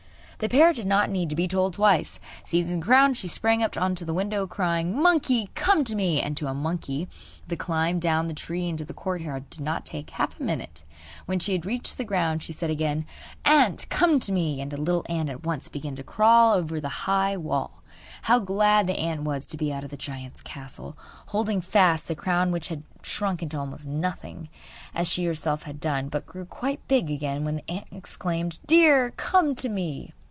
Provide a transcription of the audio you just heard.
The parrot did not need to be told twice. Seizing the crown, she sprang on to the window, crying: 'Monkey, come to me!' And to a monkey, the climb down the tree into the courtyard did not take half a minute. When she had reached the ground she said again: 'Ant, come to me!' And a little ant at once began to crawl over the high wall. How glad the ant was to be out of the giant's castle, holding fast the crown which had shrunk into almost nothing, as she herself had done, but grew quite big again when the ant exclaimed: 'Deer, come to me!